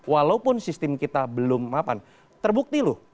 walaupun sistem kita belum terbukti loh